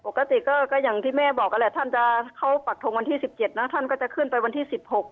ปกติก็อย่างที่แม่บอกนั่นแหละท่านจะเข้าปักทงวันที่๑๗นะท่านก็จะขึ้นไปวันที่๑๖